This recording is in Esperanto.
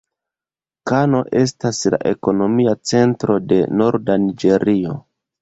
Kano estas la ekonomia centro de norda Niĝerio.